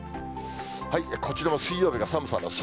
こちらも水曜日が寒さの底。